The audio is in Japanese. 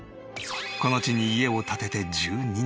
この地に家を建てて１２年。